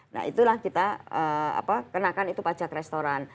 nah itulah kita kenakan itu pajak restoran